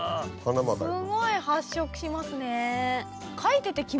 すごい発色しますね。